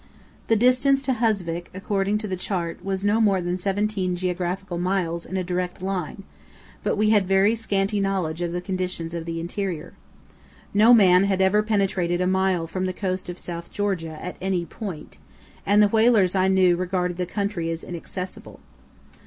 The distance to Husvik, according to the chart, was no more than seventeen geographical miles in a direct line, but we had very scanty knowledge of the conditions of the interior. No man had ever penetrated a mile from the coast of South Georgia at any point, and the whalers I knew regarded the country as inaccessible.